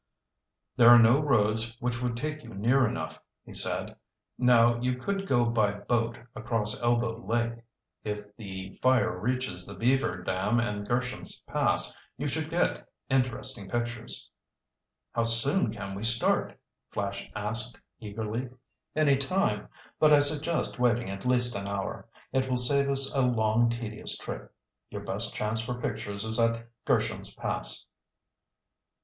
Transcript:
"There are no roads which would take you near enough," he said. "Now you could go by boat across Elbow Lake. If the fire reaches the beaver dam and Gersham's Pass, you should get interesting pictures." "How soon can we start?" Flash asked eagerly. "Any time, but I suggest waiting at least an hour. It will save us a long, tedious trip. Your best chance for pictures is at Gersham's Pass."